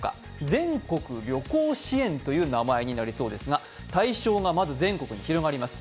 全国旅行支援という名前になりそうですが対象がまず全国に広がります。